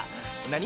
何？